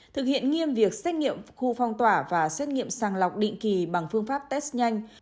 thực hiện nghiêm việc xét nghiệm khu phong tỏa và xét nghiệm sàng lọc định kỳ bằng phương pháp test nhanh